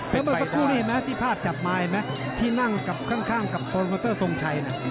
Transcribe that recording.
เพราะว่าสักครู่นี้ไหมที่พลาดจับไม้ไหมที่นั่งข้างกับโคลโมเตอร์ทรงชัยนะ